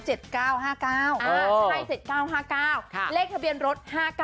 ใช่๗๙๕๙เลขทะเบียนรถ๕๙